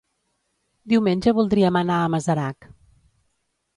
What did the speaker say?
Diumenge voldríem anar a Masarac.